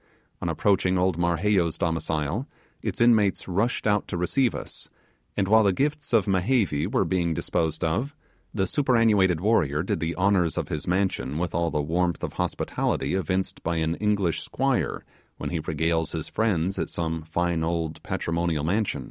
On approaching old Marheyo's domicile, its inmates rushed out to receive us; and while the gifts of Mehevi were being disposed of, the superannuated warrior did the honours of his mansion with all the warmth of hospitality evinced by an English squire when he regales his friends at some fine old patrimonial mansion.